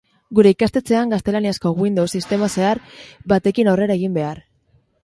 Gure ikastetxean gaztelaniazko Windows sistema zahar batekin aurrera egin behar.